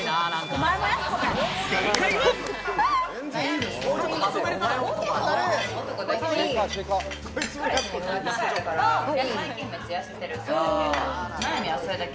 悩みはそれだけ。